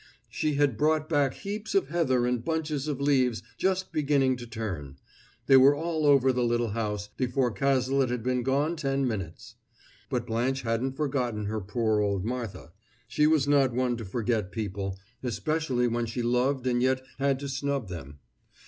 She had brought back heaps of heather and bunches of leaves just beginning to turn; they were all over the little house before Cazalet had been gone ten minutes. But Blanche hadn't forgotten her poor old Martha; she was not one to forget people, especially when she loved and yet had to snub them.